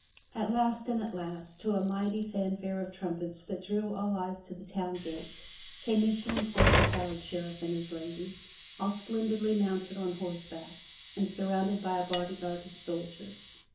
At last and at last, to a mighty fanfare of trumpets that drew all eyes to the town gate, came issuing forth the proud Sheriff and his lady, all splendidly mounted on horseback and surrounded by a bodyguard of soldiers.